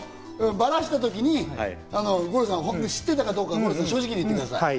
バラした時に五郎さんが本当に知っていたかどうか正直に言ってください。